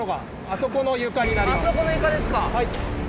あそこの床ですか。